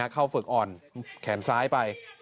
ฝึกอ่อนแขนซ้ายไป